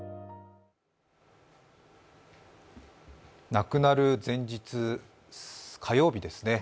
亡くなる前日、火曜日ですね